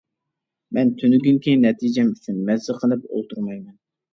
مەن تۈنۈگۈنكى نەتىجەم ئۈچۈن مەززە قىلىپ ئولتۇرمايمەن.